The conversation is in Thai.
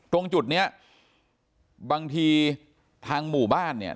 ตรงจุดเนี้ยบางทีทางหมู่บ้านเนี่ย